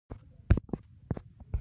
ایا ستاسو همت به نه ټیټیږي؟